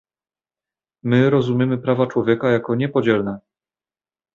My rozumiemy prawa człowieka jako niepodzielne